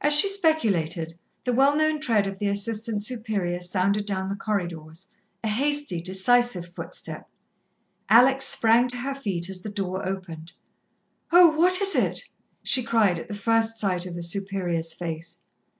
As she speculated, the well known tread of the Assistant Superior sounded down the corridors a hasty, decisive footstep. Alex sprang to her feet as the door opened. "Oh, what is it?" she cried, at the first sight of the Superior's face.